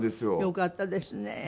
よかったですね。